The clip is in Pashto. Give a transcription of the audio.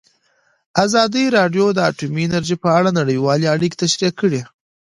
ازادي راډیو د اټومي انرژي په اړه نړیوالې اړیکې تشریح کړي.